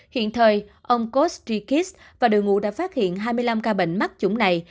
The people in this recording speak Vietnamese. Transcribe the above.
hiện thời ông kostikis và đội ngũ đã phát hiện hai mươi năm ca bệnh mắc chúng này